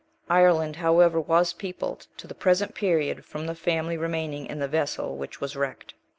Ireland, however, was peopled, to the present period, from the family remaining in the vessel which was wrecked.